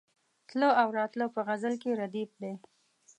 تله او راتله په غزل کې ردیف دی.